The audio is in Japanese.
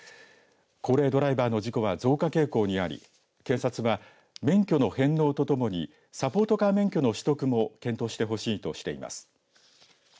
高齢ドライバーの事故は増加傾向にあり警察は免許の返納とともにサポートカー免許の取得も検討してほしいとしています。